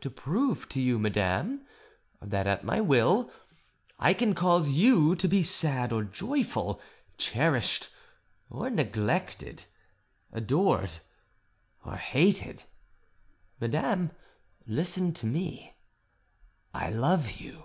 "To prove to you, madame, that at my will I can cause you to be sad or joyful, cherished or neglected, adored or hated. Madame, listen to me: I love you."